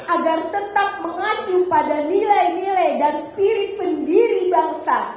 agar tetap mengacu pada nilai nilai dan spiri pendiri bangsa